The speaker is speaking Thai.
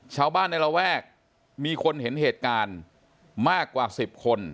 ชาวบ้านในระแวกมีคนเห็นเหตุการณ์มากกว่า๑๐คน